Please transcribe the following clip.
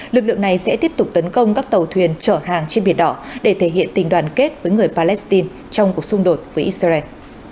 lực lượng này sẽ tiếp tục tấn công các tàu thuyền trở hàng trên biển đỏ để thể hiện tình đoàn kết với người palestine trong cuộc xung đột với israel